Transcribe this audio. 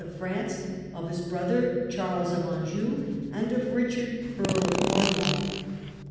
of France, of his brother Charles of Anjou, and of Richard, Earl of Cornwall.